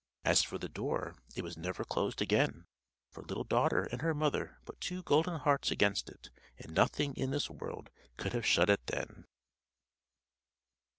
As for the door, it was never closed again; for Little Daughter and her mother put two golden hearts against it and nothing in this world could have shut it then.